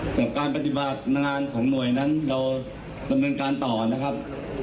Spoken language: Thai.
แต่การปฏิบัติงานของหน่วยนั้นเราดำเนินการต่อนะครับ